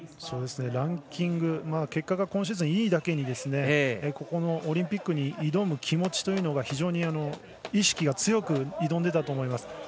ランキング結果が今シーズン、いいだけにここもオリンピックに挑む気持ちというのが非常に強く挑んでたと思います。